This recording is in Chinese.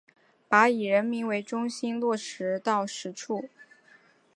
把以人民为中心落到实处